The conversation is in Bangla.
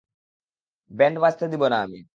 ব্যান্ড বাজতে দিব না আমি।